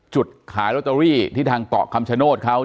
อ๋อเจ้าสีสุข่าวของสิ้นพอได้ด้วย